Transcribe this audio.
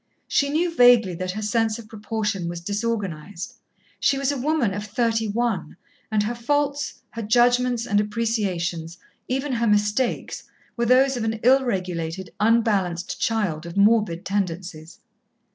She knew vaguely that her sense of proportion was disorganized. She was a woman of thirty one, and her faults, her judgments and appreciations, even her mistakes, were those of an ill regulated, unbalanced child of morbid tendencies.